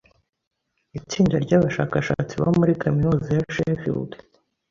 Itsinda ry'abashakashatsi bo kuri Kaminuza ya Sheffield